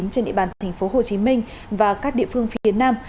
trên địa bàn tp hcm và các địa phương phía nam